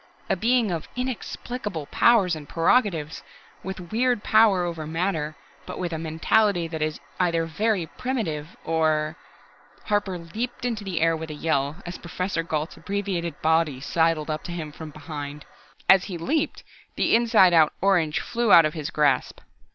A Being of inexplicable powers and prerogatives, with weird power over matter, but with a mentality that is either very primitive, or " Harper leaped into the air with a yell, as Professor Gault's abbreviated body sidled up to him from behind. As he leaped, the inside out orange flew out of his grasp.